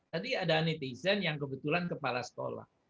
jadi ada netizen yang kebetulan kepala sekolah